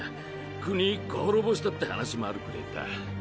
国一個滅ぼしたって話もあるくれぇだ。